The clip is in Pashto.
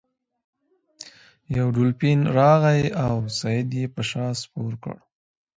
یو دولفین راغی او سید یې په شا سپور کړ.